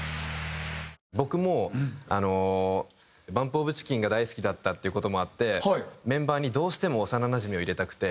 僕もＢＵＭＰＯＦＣＨＩＣＫＥＮが大好きだったっていう事もあってメンバーにどうしても幼なじみを入れたくて。